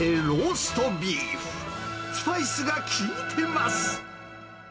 スパイスが効いてます。